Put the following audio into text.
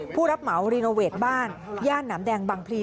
ผู้รับเหมารีโนเวทบ้านย่านหนามแดงบางพลี